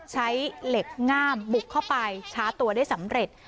ใช้เหล็กง่ามบุกเข้าไปช้าตัวได้สำเร็จ